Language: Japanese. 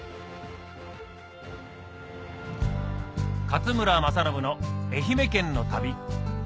勝村政信の愛媛県の旅